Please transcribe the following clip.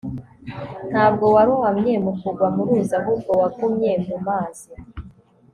ntabwo warohamye mu kugwa mu ruzi, ahubwo wagumye mu mazi